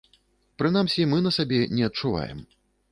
Прынамсі, мы на сабе не адчуваем.